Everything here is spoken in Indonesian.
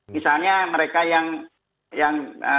misalnya mereka yang